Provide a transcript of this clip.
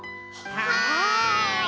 はい。